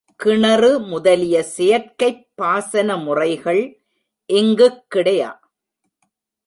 கிணறு முதலிய செயற்கைப் பாசன முறைகள் இங்குக் கிடையா.